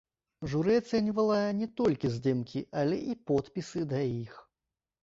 Журы ацэньвала не толькі здымкі, але і подпісы да іх.